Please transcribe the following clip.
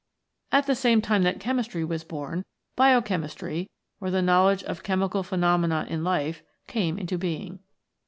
At the same time that Chemistry was born, Biochemistry, or the knowledge of Chemical Phe nomena in Life, came into being.